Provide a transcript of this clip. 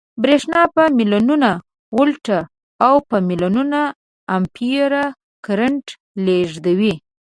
برېښنا په ملیونونو ولټه او په ملیونونو امپیره کرنټ لېږدوي